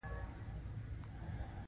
هغه د لمحه په بڼه د مینې سمبول جوړ کړ.